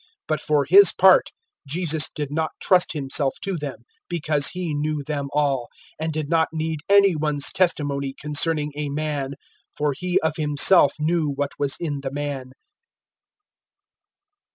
002:024 But for His part, Jesus did not trust Himself to them, because He knew them all, 002:025 and did not need any one's testimony concerning a man, for He of Himself knew what was in the man.